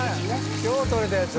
今日とれたやつ？